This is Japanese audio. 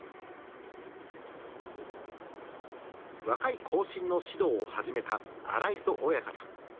若い後進の指導を始めた荒磯親方。